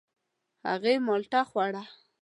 هغې مالټه خوړه.